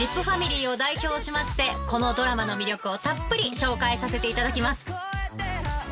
ファミリーを代表しましてこのドラマの魅力をたっぷり紹介させていただきます。